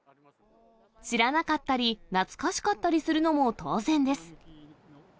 知らなかったり、懐かしかったりするのも当然です。